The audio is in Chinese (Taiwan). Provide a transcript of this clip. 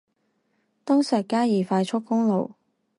東石嘉義快速公路